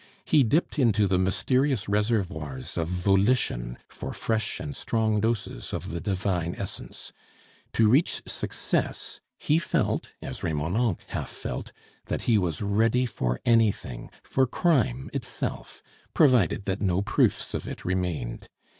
He dipped into the mysterious reservoirs of volition for fresh and strong doses of the divine essence. To reach success, he felt, as Remonencq half felt, that he was ready for anything, for crime itself, provided that no proofs of it remained.